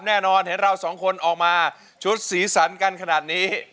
แน่นอนเห็นเราสองคนออกมาชุดสีสันกันขนาดนี้